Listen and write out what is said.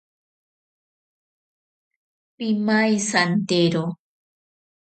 Pimaisantero.